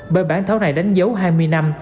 bởi bản thấu này đánh dấu hai mươi năm